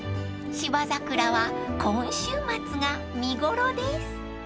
［芝桜は今週末が見頃です］